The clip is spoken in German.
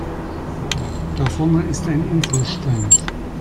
Da vorne ist ein Info-Stand.